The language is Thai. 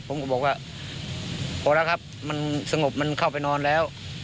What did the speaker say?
ผมก็บอกว่าพอแล้วครับมันสงบมันเข้าไปนอนแล้ว